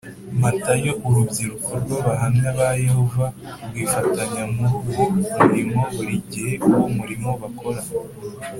Matayo Urubyiruko rw Abahamya ba Yehova rwifatanya muri uwo murimo buri gihe Uwo murimo bakora